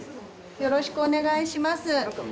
よろしくお願いします。